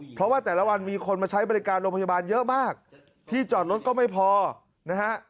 เพราะว่าแต่ละวันมีคนมาใช้บริการโรงพยาบาลเยอะมากที่จอดรถก็ไม่พอนะฮะ